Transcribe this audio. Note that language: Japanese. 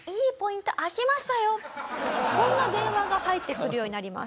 こんな電話が入ってくるようになります。